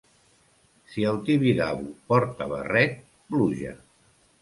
Si el Tibidabo porta barret, pluja.